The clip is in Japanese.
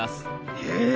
へえ！